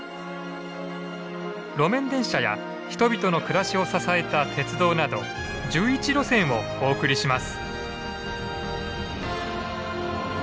路面電車や人々の暮らしを支えた鉄道など１１路線をお送りします。